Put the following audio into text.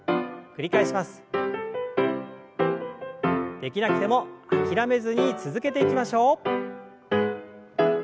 できなくても諦めずに続けていきましょう。